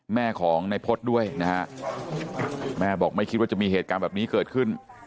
แม่ของในพฤษด้วยนะฮะแม่บอกไม่คิดว่าจะมีเหตุการณ์แบบนี้เกิดขึ้น